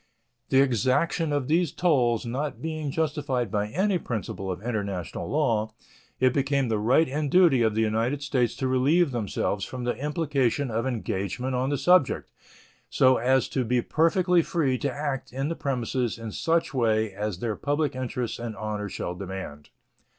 The exaction of those tolls not being justified by any principle of international law, it became the right and duty of the United States to relieve themselves from the implication of engagement on the subject, so as to be perfectly free to act in the premises in such way as their public interests and honor shall demand.